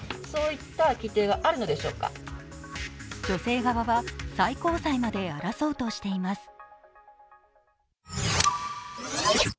女性側は最高裁まで争うとしています。